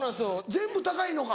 全部高いのか？